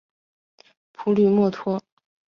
普吕默托。